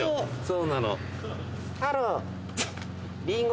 そうなの。